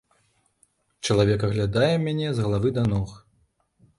Чалавек аглядае мяне з галавы да ног.